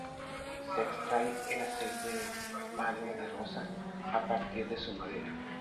Se extrae el "aceite de palo de rosa", a partir de su madera.